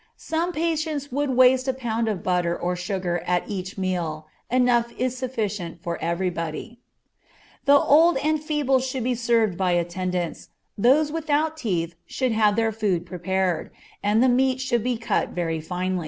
Some patients would waste a pound of butter or sugar at each meal; enough is sufficient for anybody. The old and feeble should be served by attendants; those without teeth should have their food prepared, and the meat should be cut very fine.